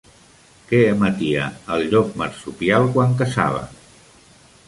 Què emetia el llop marsupial quan caçava?